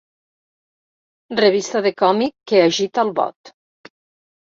Revista de còmic que agita el bot.